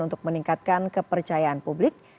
untuk meningkatkan kepercayaan publik